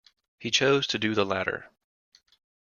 He chose to do the latter.